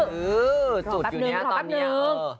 เหอเดี๋ยวเราค่อยมาดูเลข